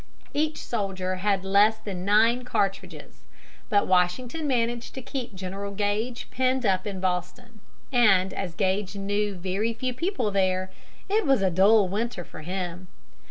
Each soldier had less than nine cartridges, but Washington managed to keep General Gage penned up in Boston, and, as Gage knew very few people there, it was a dull winter for him.